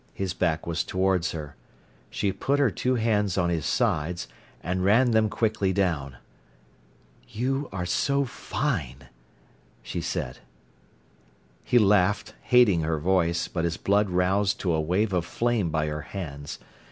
His back was towards her. She put her two hands on his sides, and ran them quickly down. "You are so fine!" she said. He laughed, hating her voice, but his blood roused to a wave of flame by her hands.